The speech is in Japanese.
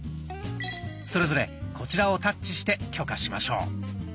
それぞれこちらをタッチして許可しましょう。